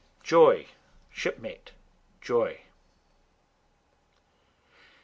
Joy, Shipmate, Joy!